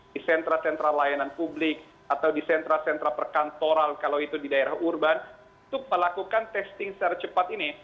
di sentra sentra layanan publik atau di sentra sentra perkantoran kalau itu di daerah urban untuk melakukan testing secara cepat ini